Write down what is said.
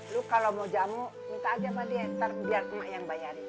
lu kalo mau jamu minta aja pak dia ntar biar emak yang bayarin